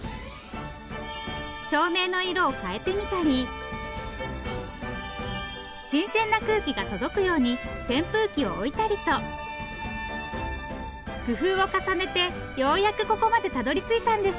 照明の色を変えてみたり新鮮な空気が届くように扇風機を置いたりと工夫を重ねてようやくここまでたどりついたんですって。